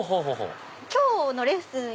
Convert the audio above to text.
今日のレッスン